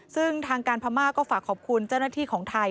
ซึ่งทางการพม่าก็ฝากขอบคุณเจ้าหน้าที่ของไทย